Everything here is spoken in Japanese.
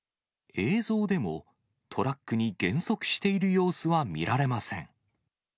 映像でもトラックに減速している様子は見られません。